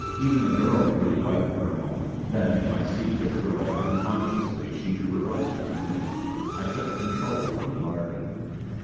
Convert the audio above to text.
Even the girl grew white for a moment; then, to my secret joy, unconsciously she drew closer to me. I took control of the party.